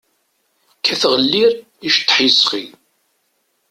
Kkateɣ llir, iceṭṭaḥ yesɣi.